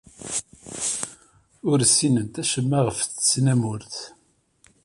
Ur ssinent acemma ɣef tesnamurt.